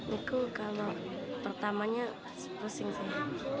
itu kalau pertamanya pusing sih